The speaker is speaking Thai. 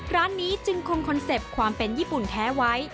ร้านนี้จึงคงคอนเซ็ปต์ความเป็นญี่ปุ่นแท้ไว้